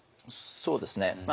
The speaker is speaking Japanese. そうですね。